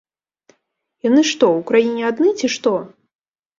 Яны што, у краіне адны, ці што!?